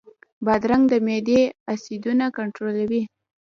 بادرنګ د معدې اسیدونه کنټرولوي.